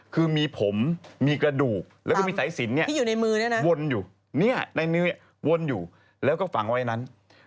คือมีผมมีกระดูกแล้วก็มีสายสินเนี่ยวนอยู่แล้วก็ฝังไว้นั้น